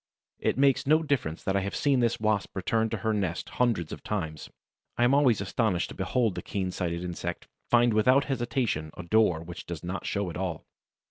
It makes no difference that I have seen this Wasp return to her nest hundreds of times; I am always astonished to behold the keen sighted insect find without hesitation a door which does not show at all.